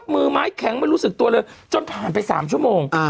มือไม้แข็งไม่รู้สึกตัวเลยจนผ่านไป๓ชั่วโมง